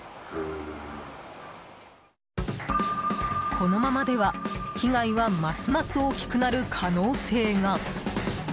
このままでは被害はますます大きくなる可能性が。